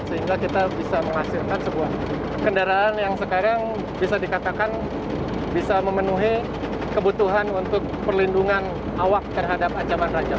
sehingga kita bisa menghasilkan sebuah kendaraan yang sekarang bisa dikatakan bisa memenuhi kebutuhan untuk perlindungan awak terhadap ancaman raja